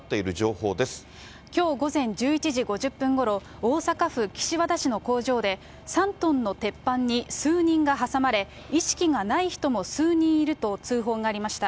きょう午前１１時５０分ごろ、大阪府岸和田市の工場で、３トンの鉄板に数人が挟まれ、意識がない人も数人いると通報がありました。